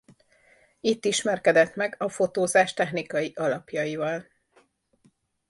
Itt ismerkedett meg a fotózás technikai alapjaival.